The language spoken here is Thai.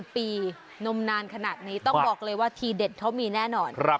ปีนมนานขนาดนี้ต้องบอกเลยว่าทีเด็ดเขามีแน่นอน